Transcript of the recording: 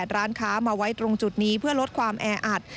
ร้านค้ามาไว้ตรงจุดนี้เพื่อลดความแออัด